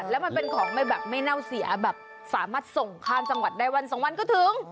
แล้วมันเป็นของไม่แบบไม่เน่าเสียแบบสามารถส่งข้ามจังหวัดได้วันสองวันก็ถึง